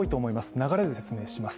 流れで説明します。